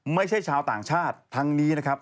ไม่ใช่ชาวต่างชาติทั้งนี้นะครับ